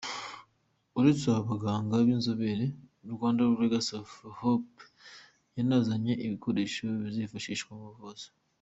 Uretse aba baganga b'inzobere, Rwanda Legacy of Hope yanazanye ibikoresho bizifashishwa mu buvuzi.